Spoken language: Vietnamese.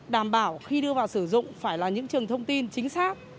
đảm bảo khi đưa vào sử dụng phải là những trường thông tin chính xác